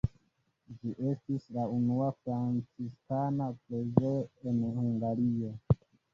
Ĝi estis la unua franciskana preĝejo en Hungario.